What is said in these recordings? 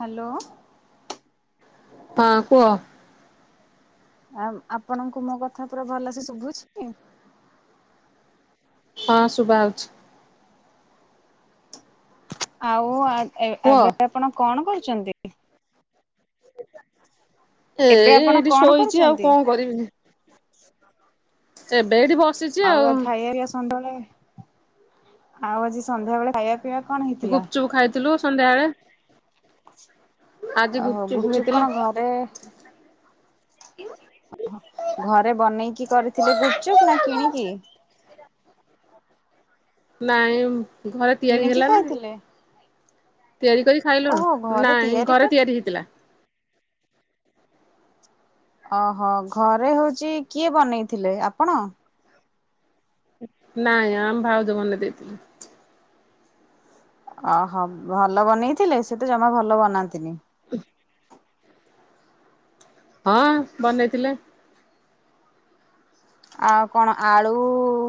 Hello. ହଁ କୁହ। ଆମ୍ ଆପଣଙ୍କୁ ମୋ କଥା ପୁରା ଭଲସେ ଶୁଭୁଛି? ହଁ ଶୁଭାଯାଉଛି। ଆଉ ଆ କୁହ। ଏବେ ଆପଣ କଣ କରୁଛନ୍ତି? ଏଇ ଏବେ ଆପଣ ଏଇଠି କଣ ଶୋଇଛି। ଆଉ କରୁଛନ୍ତି? କଣ କରିବି କି? ଏବେ ଏଇଠି ବସିଚି। ଆଉ ଖାଇବା ସନ୍ଧ୍ୟାବେଳେ ଆଉ ଆଜି ସନ୍ଧ୍ୟାବେଳେ ଖାଇବା ପିଇବା କଣ ହେଇଥିଲା? ଗୁପ୍ଚୁପ୍ ଖାଇଥିଲୁ ସନ୍ଧ୍ୟାବେଳେ। ଆଜି ଗୁପଚୁପ୍ ହେଇଥିଲା। ତ ଘରେ ବନେଇକି କରିଥିଲୁ ଗୁପଚୁପ୍ ନା କିଣିକି।? ନାଇଁ ଘରେ ତିଆରି କିଣିକି ହେଲା ନା। ଖାଇଥିଲେ ତିଆରି କରି ଖାଇଲୁଣୁ? ଓହୋ ଘରେ ନାଇଁ ଘରେ କରି ତିଆରି ହେଇଥିଲା। ଅହଃ, ଘରେ ହଉଛି କିଏ ବନେଇଥିଲେ ଆପଣ? ନାଇଁ ଆମ ଭାଉଜ ବନେଇ ଦେଇଥିଲେ। ଅହଃ ଭଲ ବନେଇଥିଲେ। ସେ ତ ଜମା ଭଲ ବନାନ୍ତିନି। [unintelligible] ହଁ ବନେଇଥିଲେ। ଆଉ କଣ ଆଳୁ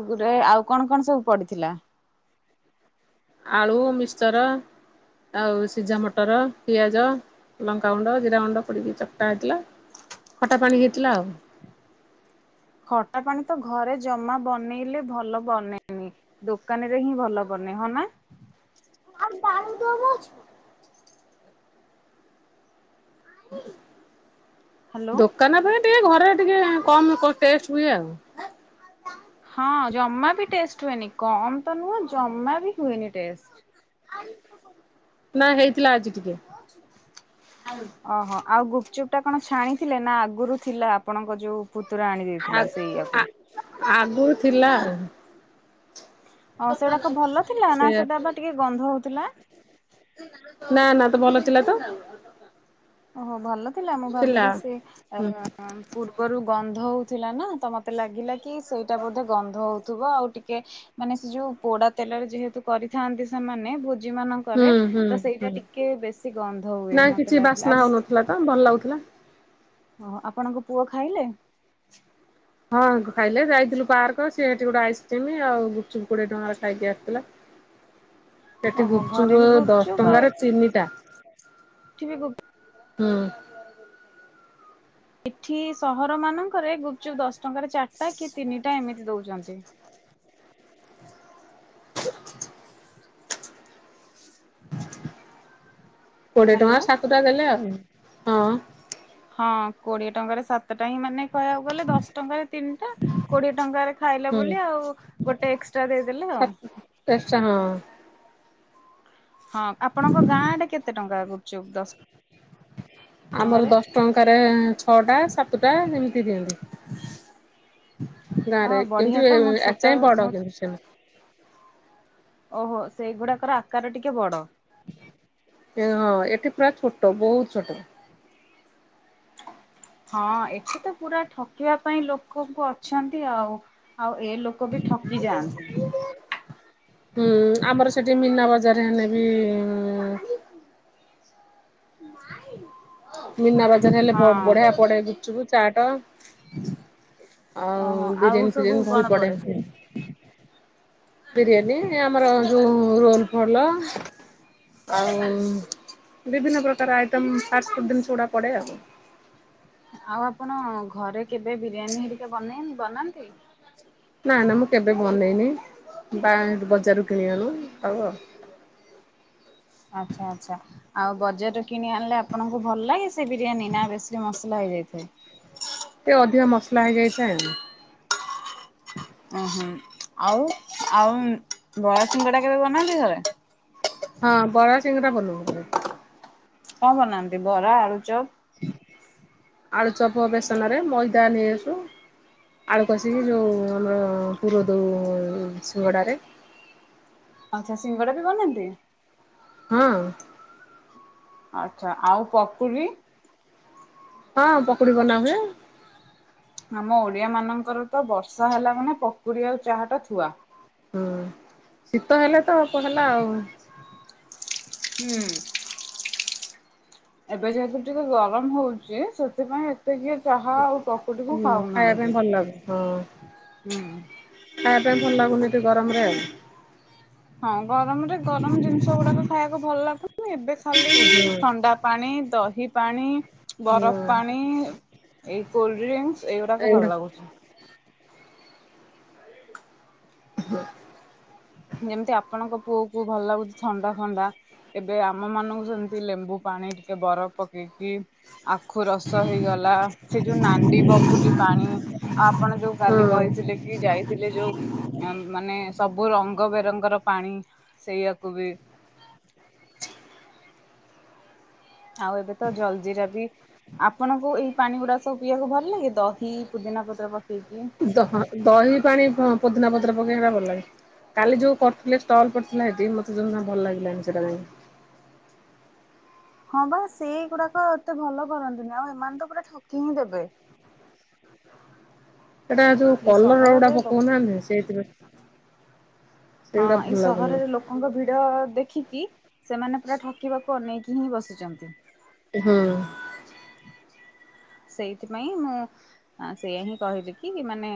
ଗୁରେ। ଆଉ କଣ କଣ ସବୁ ପଡିଥିଲା? ଆଳୁ, ମିକ୍ସଚର, ଆଉ ସିଝା ମଟର, ପିଆଜ। ଲଙ୍କା ଗୁଣ୍ଡ, ଜିରା ଗୁଣ୍ଡ ପଡିକି ଚକଟା ହେଇଥିଲା। ଖଟା ପାଣି ହେଇଥିଲା ଆଉ। ଖଟା ପାଣି ତ ଘରେ ଜମା ବନେଇଲେ ଭଲ ବନେନି। ଦୋକାନ ରେ ହିଁ ଭଲ ବନେ। ହଁ ନା? ଆଉ [unintelligible] ଅଛି? ହ୍ୟାଲୋ ଦୋକାନ ଅପେକ୍ଷା ଟିକେ ଘରେ ଟିକେ କମ କ ଟେଷ୍ଟ ହୁଏ ଆଉ। ହଁ ଜମା ବି ଟେଷ୍ଟ ହୁଏନି। କମ ତ ନୁହଁ ଜମା ବି ହୁଏନି ଟେଷ୍ଟ। ନା ହେଇଥିଲା ଆଜି ଟିକେ। ଓହୋ ଆଉ ଗୁପଚୁପ୍ ଟା କଣ ଛାଣି ଥିଲେ ନା ଆଗରୁ ଥିଲା ଆପଣଙ୍କ ଯୋଉ ପୁତୁରା ଆଣି ଆ ଦେଇଥିଲା ଆ ସେଇୟଆକୁ। ଆଗରୁ ଥିଲା। ଓ ସେଗୁଡାକ ଭଲ ଥିଲା ନା ସେଇଆ ସେଟା ବା ଟିକେ ଗନ୍ଧ ହଉଥିଲା? ନା ନା ତ ଭଲ ଥିଲା ତ। ଓହୋ ଭଲ ଥିଲା ମୁଁ ଭାବିଲି ସେ ଏ ହୁଁ ଅଁ ପୂର୍ବରୁ ଗନ୍ଧ ହେଉଥିଲା ନା ତ ମୋତେ ଲାଗିଲା କି ସେଇଟା ବୋଧେ ଗନ୍ଧ ହେଉଥିବ ଆଉ ଟିକେ ମାନେ ସେ ଯୋଉ ପୋଡା ତେଲରେ ଯେହେତୁ କରିଥାନ୍ତି ସେମାନେ ବୋହୁ ଜି ମାଙ୍କରେ ହୁଁ ହୁଁ ତ ହୁଁ ସେଇଟା ଟିକେ ବେଶି ଗନ୍ଧ ହୁଏ ମତେ ଲାଗେ ନା ହୋଉନଥିଲା ତ ଭଲ ଲାଗୁଥିଲା। ଓ ହୋ ଆପଣଙ୍କ ପୁଅ ଖାଇଲେ? ହଁ ଖାଇଲେ ଯାଇଥିଲୁ ପାର୍କ ସି ସେଠି ଗୋଟେ ଆଇସ୍କ୍ରିମ୍ ଆଉ ଗୁପଚୁପ କୋଡିଏ ଟଙ୍କାରେ ଖାଇକି ଆସିଥିଲା। [inaudible] ସେଠି ଓହୋ ଘରେ ଗୁପଚୁପ୍ ବି ଦଶ ଗୁପଚୁପ୍ ଟଙ୍କାର ଚିନି ଟା। ଠି ବି ଗୁପ ହୁଁ। ଏଠି ସହର ମାନଙ୍କରେ ଗୁପଚୁପ୍ ଦଶ ଟଙ୍କାରେ ଚାରିଟା କି ତିନିଟା ଏମିତି ଦେଉଚନ୍ତି। କୋଡ଼ିଏ ହ୍ୟାଲୋ ଟଙ୍କାର ସାତଟା ଦେଲେ ଆଉ ହଁ। ହଁ କୋଡିଏ ଟଙ୍କାରେ ସାତଟା ହିଁ ମାନେ କହିବାକୁ ଗଲେ ଦଶ ଟଙ୍କାରେ ତିନିଟା। କୋଡିଏ ଟଙ୍କାରେ ଖାଇଲା ହୁଁ ବୋଲି ଆଉ ଗୋଟେ ଏକ୍ସଟ୍ରା ଦେଇଦେଲେ ଆଉ। ଏକଷ୍ଟ୍ରା ହଁ। ହଁ ଆପଣଙ୍କ ଗାଁଆଡେ କେତେ ଟଙ୍କା ଗୁପଚୁପ୍ ଦଶ ଆମର ଟଙ୍କାରେ? ଦଶ ଟଙ୍କାରେ ଛଅଟା ସାତଟା ଏମିତି ଦିଅନ୍ତି। ଗାଁ ହଁ ରେ ବଢିଆ କେମିତି ତ ବେଳେ ମୁଁ ବେଳେ ଛୋଟ ଆଯାଏଁ ବଡ ମୁଁ କେମିତି ସେମି ଓହୋ ସେଇଗୁଡାକର ଆକାର ଟିକେ ବଡ। କେ ହଁ ଏଠି ପୁରା ଛୋଟ ବହୁତ ଛୋଟ। ହଁ ଏଠି ତ ପୁରା ଠକିବା ପାଇଁ ଲୋକଙ୍କୁ ଅଛନ୍ତି ଆଉ। ଆଉ ଏ ଲୋକ ବି ଠକି ଯାଆନ୍ତି। ହୁଁ ଆମର ସେଠି ମିନା ବଜାରରେ ହେଲେେ ବି ମୀନା ବାଜାର ହେଲେ ପ ହଁ। ବଢିଆ ପଡେ ଗୁପଚୁପ୍ ଚାଟ ଆଉ ଓହୋ ଆଉ ବିରିୟାନୀ ସବୁ ଫିରିୟାନୀ କଣ ଭଲ ପଡେ ଏଠି। ବିରିୟାନୀ ଆମର ଯୋଉ ରୋଲ ଫୋଲ ଆଉ ବିଭିନ୍ନ ପ୍ରକାର ଆଇଟମ୍ ଫାଷ୍ଟଫୁଡ୍ ଜିନିଷ ଗୁଡା ପଡେ ଆଉ। ଆଉ ଆପଣ ଘରେ କେବେ ବିରିୟାନୀ ହେରିକା ବନି ବନାନ୍ତି? ନା ନା ମୁଁ କେବେ ବନେଇନି ବା ବଜାରରୁ କିଣି ଆଣୁ ଖାଉ ଆଉ। ଆଚ୍ଛା ଆଚ୍ଛା। ଆଉ ବଜାରରେ କିଣି ଆଣିଲେ ଆପଣଙ୍କୁ ଭଲ ଲାଗେ ସେ ବିରିୟାନୀ ନା ବେଶୀ ମସଲା ହେଇଯାଇଥାଏ? ଟିକେ ଅଧିକା ମସଲା ହେଇଯାଇଥାଏ ଆଉ। ଓହୋ ଆଉ ଆଉ ବରା ଶିଙ୍ଗଡ଼ା କେବେ ବନାନ୍ତି ଘରେ? ହଁ ବରା ସିଙ୍ଗଡ଼ା ବନୋଉ ଘରେ। କଣ ବନାନ୍ତି ବରା ଆଳୁଚପ୍? ଆଳୁଚପ୍ ବେସନରେ ମଇଦା ନେଇଆସୁ। ଆଳୁ କଷିକି ଯୋଉ ଆମର ପୁର ଦଉ ଶିଙ୍ଗଡ଼ାରେ। ଆଛା ସିଙ୍ଗଡ଼ା ବି ବନାନ୍ତି? ହଁ। ଆଛା ଆଉ ପକୁଡି। ହଁ ପକୁଡି ବନା ହୁଏ। ଆମ ଓଡିଆ ମାନଙ୍କର ତ ବର୍ଷା ହେଲା ମାନେ ପକୁଡି ଆଉ ଚାହା ଟା ଥୁଆ। ହୁଁ ଶୀତ ହେଲେ ତ ହେଲା ଆଉ। ହୁଁ। ଏବେ ଯେହେତୁ ଟିକେ ଗରମ ହଉଚି ସେଥିପାଇଁ ଏତେ କିଏ ଚାହା ଆଉ ପକୁଡିକୁ ଖାଉନାହାନ୍ତି। ଲ ହଁ। ହୁଁ। ଖାଇବା ପାଇଁ ଭଲ ଲାଗୁନି ଏତେ ଗରମରେ। ହଁ ଗରମରେ ଗରମ ଜିନିଷ ଗୁଡାକ ଖାଇବାକୁ ଭଲ ଲାଗୁ ମୁଁ ଏବେ ଖାଲି ହୁଁ ଥଣ୍ଡା ପାଣି ଦହି ପାଣି ବରଫ ପାଣି ଏଇ କୋଲଡ ଡ୍ରିଙ୍କସି ଏଇଗୁଡାକ ଏଇଗୁଡା ଭଲ ଲାଗୁଚି। ହ [inaudible] ଯେମିତି ଆପଣଙ୍କ ପୁଅକୁ ଭଲ ଲାଗୁଚି ଥଣ୍ଡା ଫଣ୍ଡା। ଏବେ ଆମ ମାନଙ୍କୁ ସେମିତି ଲେମ୍ବୁ ପାଣି ଟିକେ ବରଫ ପକେଇକି ଆଖୁ ରସ ହେଇଗଲା ସେ ଯୋଉ ନାଣ୍ଡି ବଗୁଲି ପାଣି ଆଉ ଆପଣ ଯୋଉ କାଲି ହଁ କହିଥିଲେ କି ଯାଇ ଥିଲେ ଯୋଉ ମାନେ ସବୁ ରଙ୍ଗ ବେରଙ୍ଗର ପାଣି ସେଇଆକୁ ବି ଆଉ ଏବେ ତ ଜଲଜିିରା ବି ଆପଣଙ୍କୁ ଏଇ ପାଣି ଗୁଡାକ ସବୁ ପିଇବାକୁ ଭଲ ଲାଗେ ଦହି ପୋଦିନା ପତ୍ର ପକେଇକି? ଦ ଦହି ପାଣି ପୋଦିନା ପତ୍ର ପକେଇକି ହେଟା ଭଲ ଲାଗେ। କାଲି ଯୋଉ କରୁଥିଲେ ଷ୍ଟଲ୍ ପଡିଥିଲା ହେଠି ମତେ ଜମା ଭଲ ଲାଗିଲାନି ସେଟା କାହିଁକି। ହଁ ବା ସେଇଗୁଡାକ ଏତେ ଭଲ କରନ୍ତିନି ଆଉ ଏମାନେ ତ ପୁରା ଠକି ହିଁ ଦେବେ। ସେଟା ଯୋଉ ଏଇ କଲର ଗୁଡା ସହରରେ ଲୋ ପକଉନାହାନ୍ତି ସେଇଥିପାଇଁ। ସେଇଗୁଡ଼ା ଭଲ ଲାଗୁନି। ତାଙ୍କ ଭିଡ ଦେଖିକି ସେମାନେ ପୁରା ଠକିବାକୁ ଅନେଇକି ହିଁ ବସିଚନ୍ତି। ହୁଁ। ସେଇଥିପାଇଁ ମୁଁ ସେଇଆ ହିଁ କହିଲିକି ମାନେ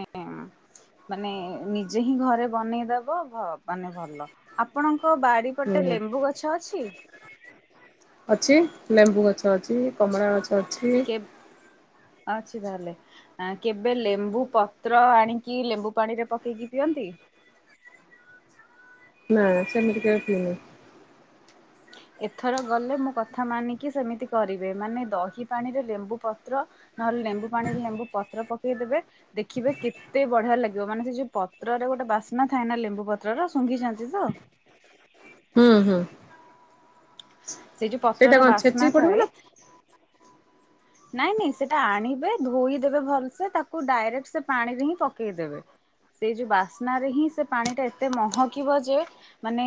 ମାନେ ନିଜେ ହିଁ ଘରେ ବନେଇଦବ ଭ ମାନେ ଭଲ ଆପଣଙ୍କ ବାଡି ପଟେ ହୁଁ ଲେମ୍ବୁ ଗଛ ଅଛି? ଅଛି ଲେମ୍ବୁ ଗଛ ଅଛି କମଳା ଗଛ ଅଛି। କେ ଅଛି ତାହେଲେ। କେବେ ଲେମ୍ବୁ ପତ୍ର ଆଣିକି ଲେମ୍ବୁ ପାଣିରେ ପକେଇକି ପିଅନ୍ତି? ନା ସେମିତି କେବେ ପିଇନି। ଏଥର ଗଲେ ମୋ କଥା ମାନିକି ସେମିତି କରିବେ ମାନେ ଦହି ପାଣିରେ ଲେମ୍ବୁ ପତ୍ର ନହେଲେ ଲେମ୍ବୁ ପାଣିରେ ଲେମ୍ବୁ ପତ୍ର ପକେଇଦେବେ ଦେଖିବେ କେତେ ବଢିଆ ଲାଗିବ ମାନେ ସେ ଯୋଉ ପତ୍ରରେ ଗୋଟେ ବାସ୍ନା ଥାଏ ନା ଲେମ୍ବୁ ପ ତ୍ରର ଶୁଙ୍ଘିଚନ୍ତି ତ? ହୁଁ ହୁଁ ସେଇ ଯୋଉ ସେଇଟା ପତ୍ରର କଣ ବାସ୍ନା ଛେଚିକି ପଡିବ ଥାଏ ନା? ନାଇଁ ନାଇଁ ସେଟା ଆଣିବେ ଧୋଇଦେବେ ଭଲସେ ତାକୁ ଡାଇରେକ୍ଟ ସେ ପାଣିରେ ହିଁ ପକେଇଦେବେ। ସେଇ ଯୋଉ ବାସ୍ନାରେ ହିଁ ସେ ପାଣି ଟା ଏତେ ମହକିବ ଯେ ମାନେ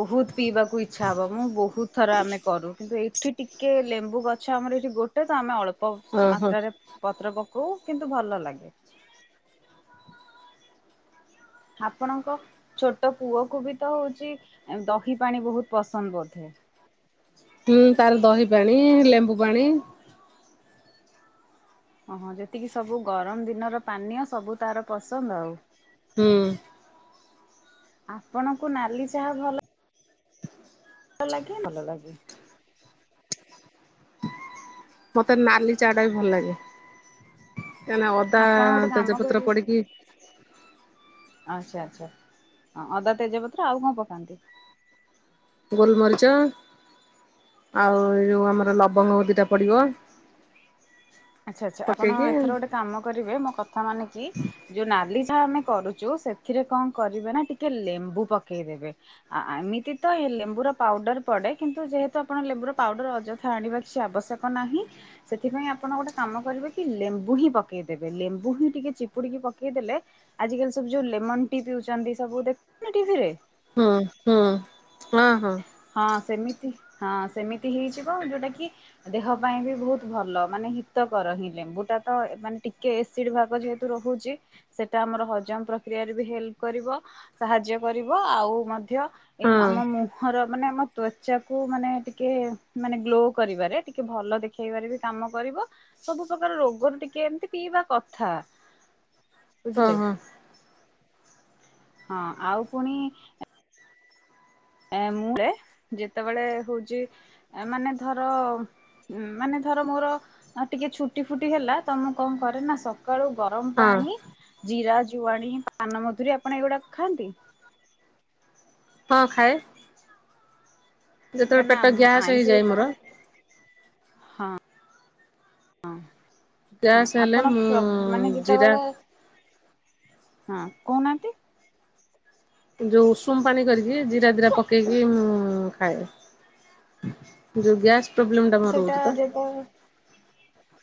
ବହୁତୁ ପିଇବାକୁ ଇଚ୍ଛା ହବ ମୁଁ ବହୁତୁ ଥର ଆମେ କରୁ କିନ୍ତୁ ଏଠି ଟିକେ ଲେମ୍ବୁ ଗଛ ଆମର ଏଠି ଗୋଟେ ତ ଆମେ ଅଳ୍ପ ଓହୋ ମାତ୍ରାରେ ପତ୍ର ପକଉ କିନ୍ତୁ ଭଲ ଲାଗେ। ଆପଣଙ୍କ ଛୋଟ ପୁଅ କୁ ବି ତ ହଉଛି ଦହି ପାଣି ବହୁତ ପସନ୍ଦ ବୋଧେ। ହୁଁ, ତାର ଦହି ପାଣି, ଲେମ୍ବୁ ପାଣି ଓହଁ ଯେତିକି ସବୁ ଗରମ ଦିନର ପାନୀୟ ସବୁ ତାର ପସନ୍ଦ ଆଉ। ହୁଁ। ଆପଣଙ୍କୁ ନାଲି ଚାହା ଭଲ ଭଲ ଲାଗେ ଭଲ ଲାଗେ। ମତେ ନାଲି ଚା ଟା ବି ଭଲ ଲାଗେ। ନା, ନା ଅଦା ଆପଣ ଗୋଟେ କାମ ତେଜପତ୍ର କରିବେ ପଡିକି ଆଚ୍ଛା, ଆଚ୍ଛା ହଁ ଅଦା ତେଜପତ୍ର ଆଉ କଣ ପକାନ୍ତି? ଗୋଲମରିଚ ଆଉ ଏଇ ଯୋଉ ଆମର ଲବଙ୍ଗ ଦିଟା ପଡିବ। ଆଚ୍ଛା, ଆଚ୍ଛା ଆପଣ ପକେଇକି ଏଥର ଗୋଟେ ହୁଁ କାମ କରିବେ, ମୋ କଥା ମାନେ କି ଯୋଉ ନାଲି ଚାହା ଆମେ କରୁଛୁ! ସେଥିରେ କଣ କରିବେ ନା ଟିକେ ଲେମ୍ବୁ ପକେଇଦେବେ। ଏମିତି ତ ଏ ଲେମ୍ବୁର ପାଉଡର ପଡେ କିନ୍ତୁ ଯେହେତୁ ଆପଣ ଲେମ୍ବୁର ପାଉଡର ଅଯୋ ହାଣିବା କିଛି ଆବଶ୍ୟକ ନାହିଁ। ସେଥିପାଇଁ ଆପଣ ଗୋଟେ କାମ କରିବେ କି, ଲେମ୍ବୁ ହିଁ ପକେଇଦେବେ ଲେମ୍ବୁ ହିଁ ଟିକେ ଚିପୁଡ଼ିକି ପକେଇ ଦେଲେ ଆଜିକାଲି ସବୁ ଯୋଉ ଲେମନ ଟି ପିଉଛନ୍ତି ସବୁ ଦେଖୁନ ଟିଭିରେ? ହୁଁ, ହୁଁ, ହଁ, ହଁ। ହଁ ସେମିତି ହଁ ସେମିତି ହେଇଯିବ ଯୋଉଟା କି ଦେହ ପାଇଁ ବି ବହୁତ ଭଲ ମାନେ ହିତକର। ହିଁ ଲେମ୍ବୁ ଟା ତ ମାନେ ଟିକେ ଏସ୍‌ ସିଡ୍‌ ଭାଗ ଯେହେତୁ ରହୁଛି ସେଇଟା ଆମର ହଜମ ପ୍ରକ୍ରିୟାରେ ବି ହେଲ୍ପ କରିବ ସାହାଯ୍ୟ କରିବ ଆଉ ମଧ୍ୟ ଏ ହଁ ମାମ ମୁଁ ହର ମାନେ ଆମ ତ୍ୱଚା କୁ ମାନେ ଟିକେ ମାନେ ଗ୍ଲୋ କରିବାରେ ଟିକେ ଭଲ ଦେଖ ଖେଇବାରେ ବି କାମ କରିବ, ସବୁ ପ୍ରକାର ରୋଗରୁ ଟିକେ ଏମତି ପିଇବା କଥା। ବୁଝିଲେ! ଓହୋ। ହଁ ଆଉ ପୁଣି ଏ ମୁଁ ଳେ ଯେତେବେଳେ ହଉଛି ମାନେ ଧର ହୁଁ, ମାନେ ଧର ମୋର ଟିକେ ଛୁଟି ଫୁଟି ହେଲା ତ ମୁଁ କଣ କରେ ନା ସ ସକାଳୁ ଗରମ ହଁ ପାଣି, ଜିରା, ଜୁଆଣି, ପାନ ମଧୁରୀ ଆପଣ ଏଇଗୁଡାକ ଖାଆନ୍ତି? ହଁ ଖାଏ, ଯେତେବେଳେ କାହିଁକିନା ପେଟ ଗ୍ୟାସ ଆଇଁଷ ହେଇଯାଏ ମୋର। ଯେତେବେଳେ ହଁ। ହଁ, ହଁ ଗ୍ୟାସ୍ ହେଲେ ଆପଣ ମୁଁ ମାନେ ଜିରା ଯେତେବେଳେ ହଁ କହୁନାହାନ୍ତି? ଯୋଉ ଉଷୁମ ପାଣି କରିକି ଜିରା ଜିରା ପକେଇକି ମୁଁ ଖାଏ। ଯଉ ଗ୍ୟାସ ପ୍ରୋବ୍ଲେମ ଟା ମୋର ହଉଚିପା। ଓହ।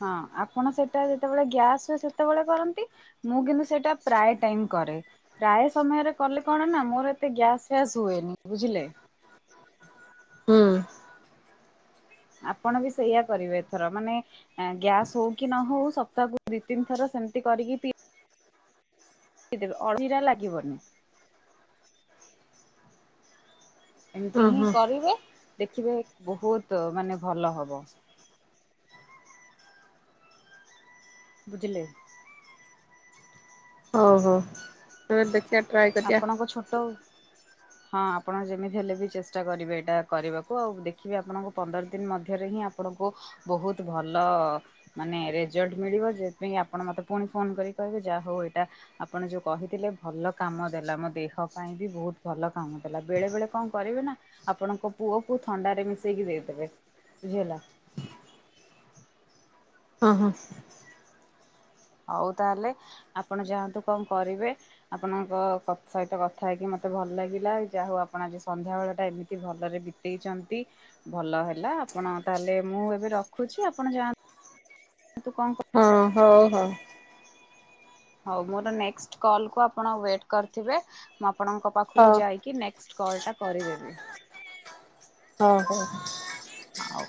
ହଁ ଆପଣ ସେଇଟା ଯେତେବେଳେ ଗ୍ୟାସ୍ ହୁଏ ସେତେବେଳେ କରନ୍ତି। ମୁଁ କିନ୍ତୁ ସେଇଟା ପ୍ରାୟ ଟାଇମ କରେ। ପ୍ରାୟ ସମୟରେ କଲେ କଣ ନା ମୋର ଏତେ ଗ୍ୟାସ ଫ୍ୟାସ ହୁଏନି ବୁଝିଲେ। ହୁଁ। ଆପଣ ବି ସେଇଆ କରିବେ ଏଥର ମାନେ ଗ୍ୟାସ ହଉ କି ନ ହଉ ସପ୍ତାହକୁ ଦି ତିନି ଥର ସେମତି କରିକି ପି [unintelligible] ଜିରା ଲାଗିବନି। ଏମିତି ହଁ ହିଁ ହଁ କରିବେ ଦେଖିବେ ବହୁତ ମାନେ ଭଲ ହବ। ବୁଝିଲେ। ଓହୋ ଥରେ ଦେଖିବା ଟ୍ରାଏ କରିବା। ଛଟଉ। ହଁ ଆପଣ ଯେମିତି ହେଲେ ବି ଚେଷ୍ଟା କରିବେ ଏଇଟା କରିବାକୁ ଆଉ ଦେଖିବେ ଆପଣଙ୍କୁ ପନ୍ଦର ଦିନ ମଧ୍ୟରେ ହିଁ ଆପଣଙ୍କୁ ବହୁତ ଭଲ ମାନେ ରେଜଲ୍ଟ ମିଳିବ ଯଉଥିପାଇଁ ଆପଣ ମତେ ପୁଣି ଫୋନ କରି କହିବେ ଯାହା ହଉ ଏଇଟା ଆପଣ ଯ କହିଥିଲେ ଭଲ କାମ ଦେଲା ମୋ ଦେହ ପାଇଁ ବି ବହୁତ ଭଲ କାମ ଦେଲା ବେଳେ ବେଳେ କଣ କରିବେ ନା ଆପଣଙ୍କ ପୁଅକୁ ଥଣ୍ଡାରେ ମିଶେଇକି ଦେଇଦେବେ ବୁଝି ହେଲା। ଅ ହଁ। ହଉ ତାହେଲେ ଆପଣ ଯାଆନ୍ତୁ କଣ କରିବେ। ଆପଣଙ୍କ ସହିତ କଥା ହେଇକି ମତେ ଭଲ ଲାଗିଲା ଯାହା ହଉ ଆପଣ ଆଜି ସନ୍ଧ୍ୟା ବେଳଟା ଏମିତି ଭଲରେ ବି ଦେଇଛନ୍ତି ଭଲ ହେଲା ଆପଣ ତାହେଲେ ମୁଁ ଏବେ ରଖୁଛି ଆପଣ ଯାଆ [unintelligible] ଓ ହ ହ। ହଉ ମୋର ନେକ୍ସଟ୍ କଲ୍ କୁ ଆପଣ ୱେଟ୍ କରିଥିବେ ମୁଁ ଆପଣଙ୍କ ପାଖକୁ ହଉ ଯାଇ କି ନେକ୍ସଟ୍ କଲ୍ ଟା କରିଦେବି। ହଁ ହଉ। ଆ।